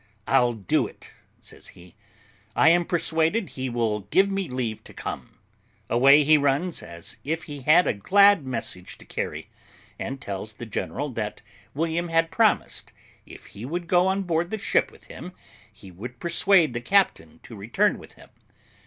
"I'll do it," says he; "I am persuaded he will give me leave to come." Away he runs, as if he had a glad message to carry, and tells the general that William had promised, if he would go on board the ship with him, he would persuade the captain to return with him.